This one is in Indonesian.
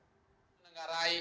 dari mana data tersebut didapatkan